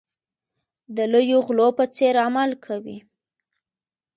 د لویو غلو په څېر عمل کوي.